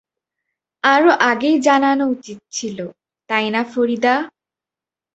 আরো আগেই জানানো উচিত ছিল, তাই না ফরিদা?